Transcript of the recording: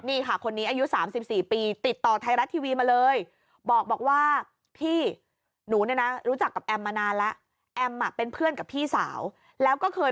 นี่ค่ะคนนี้อายุ๓๔ปีติดต่อไทยรัฐทีวีมาเลย